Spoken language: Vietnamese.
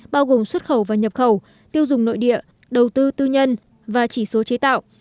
bao gồm xuất khẩu và nhập khẩu tiêu dùng nội địa đầu tư tư nhân và chỉ số chế tạo